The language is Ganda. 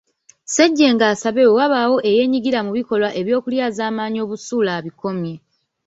Ssejjengo asabye bwe wabaawo eyeenyigira mu bikolwa by'okulyazaamaanya obusuulu abikomye.